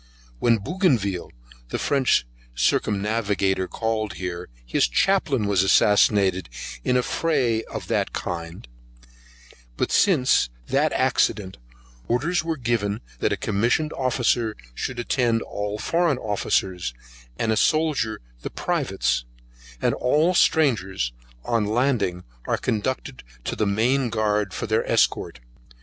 When Bougainville, the French circumnavigator called here, his chaplain was assassinated in an affray of that kind; but since that accident, orders were given that a commissioned officer should attend all foreign officers, and a soldier the privates; and all strangers, on landing, are conducted to the main guard for their escort.